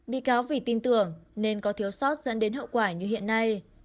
bị cáo vì tin tưởng nên có thiếu sót dẫn đến hậu quả như hiện nay